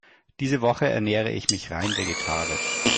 Diese Woche ernähre ich mich rein vegetarisch.